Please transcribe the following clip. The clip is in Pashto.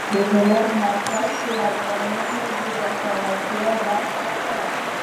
د هېواد مرکز د افغانانو د ګټورتیا برخه ده.